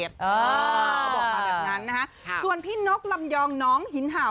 โต๊ะพี่น๊อตลำยองน้องหินเห่า